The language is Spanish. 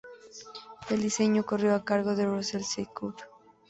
El diseño corrió a cargo de Rusell C. Cook.